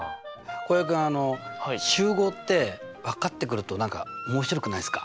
浩平君集合って分かってくると何か面白くないですか？